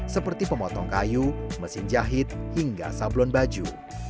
seperti pemotong kayu mesin jahit hingga sablon baju